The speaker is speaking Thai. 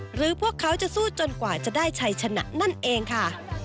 พวกเขาจะสู้จนกว่าจะได้ชัยชนะนั่นเองค่ะ